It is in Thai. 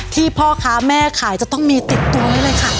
พ่อค้าแม่ขายจะต้องมีติดตัวนี้เลยค่ะ